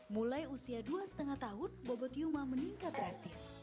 mulai usia dua lima tahun bobot yuma meningkat drastis